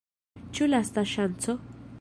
Ĉu lasta ŝanco?